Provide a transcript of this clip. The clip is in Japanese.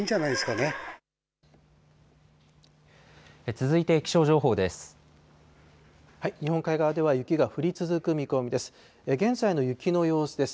続いて気象情報です。